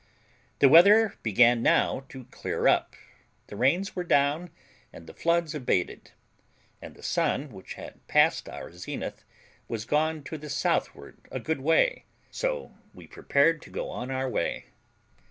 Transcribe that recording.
The weather began now to clear up, the rains were down, and the floods abated, and the sun, which had passed our zenith, was gone to the southward a good way; so we prepared to go on our way.